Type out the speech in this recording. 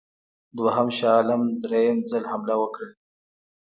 دوهم شاه عالم درېم ځل حمله وکړه.